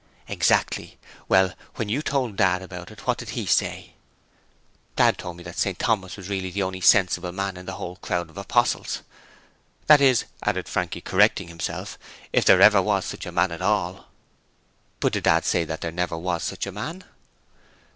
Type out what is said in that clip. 'Exactly: well, when you told Dad about it what did he say?' 'Dad told me that really St Thomas was the only sensible man in the whole crowd of Apostles. That is,' added Frankie, correcting himself, 'if there ever was such a man at all.' 'But did Dad say that there never was such a man?'